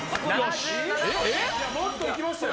もっと行きましたよ。